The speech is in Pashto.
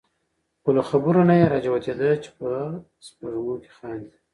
خو له خبرو نه یې را جوتېده چې په سپېږمو کې خاندي.